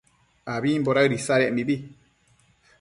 abimbo daëd isadec mibi